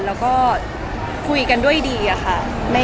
แล้วก็คุยกันด้วยดีอะค่ะ